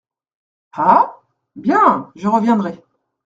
Ah ? bien ! je reviendrai…